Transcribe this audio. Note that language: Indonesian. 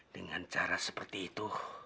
dengan cara seperti itu